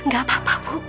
gak apa apa bu